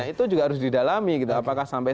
itu juga harus didalami gitu apakah sampai